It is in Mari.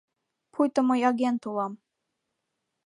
«Пуйто мый агент улам.